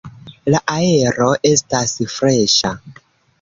La aero estas freŝa.